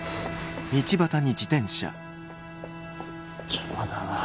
邪魔だなぁ。